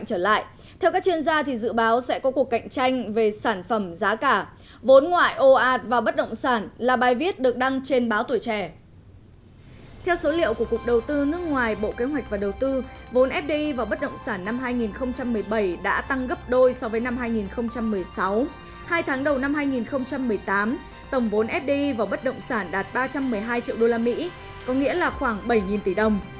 hai tháng đầu năm hai nghìn một mươi tám tổng vốn fdi vào bất động sản đạt ba trăm một mươi hai triệu usd có nghĩa là khoảng bảy tỷ đồng